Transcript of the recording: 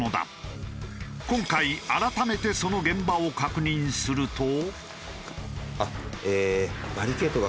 今回改めてその現場を確認すると。